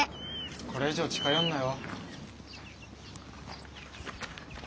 これ以上近寄んなよ。